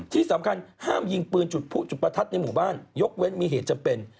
ที่สำคัญห้ามยิงปืนจุดผู้จุดประทัดในหมู่บ้านยกเว้นมีเหตุจำเป็น